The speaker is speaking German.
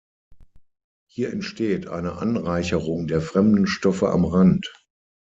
Hier entsteht eine Anreicherung der fremden Stoffe am Rand.